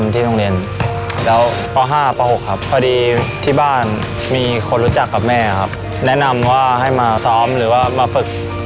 ตอนนั้นเตรียมฟุ